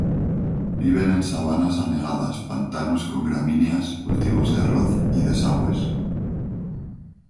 Viven en sabanas anegadas, pantanos con gramíneas, cultivos de arroz y desagües.